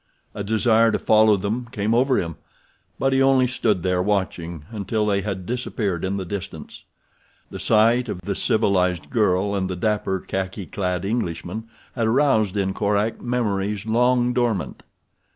A desire to follow them came over him, but he only stood there watching until they had disappeared in the distance. The sight of the civilized girl and the dapper, khaki clad Englishman had aroused in Korak memories long dormant.